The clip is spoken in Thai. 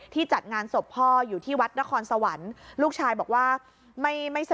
จัดงานศพพ่ออยู่ที่วัดนครสวรรค์ลูกชายบอกว่าไม่ไม่